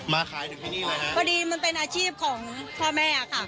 มาขายถึงที่นี่เลยฮะพอดีมันเป็นอาชีพของพ่อแม่ค่ะ